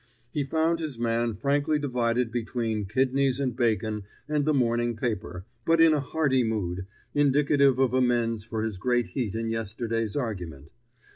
He found his man frankly divided between kidneys and bacon and the morning paper, but in a hearty mood, indicative of amends for his great heat in yesterday's argument.